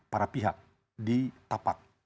para pihak di tapak